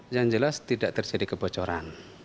yang jelas tidak terjadi kebocoran